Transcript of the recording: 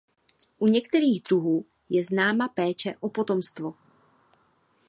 U některých druhů je známa péče o potomstvo.